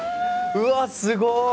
うわすごい！